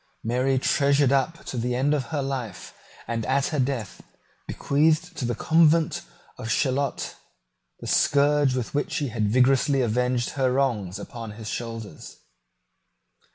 Mary treasured up to the end of her life, and at her death bequeathed to the convent of Chaillot, the scourge with which he had vigorously avenged her wrongs upon his own shoulders.